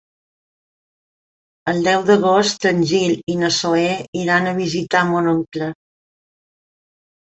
El deu d'agost en Gil i na Zoè iran a visitar mon oncle.